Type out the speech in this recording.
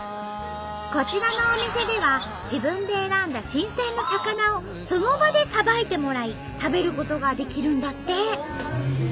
こちらのお店では自分で選んだ新鮮な魚をその場でさばいてもらい食べることができるんだって！